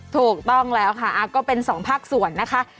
ถูกต้องแล้วค่ะก็เป็นสองภาคส่วนนะคะ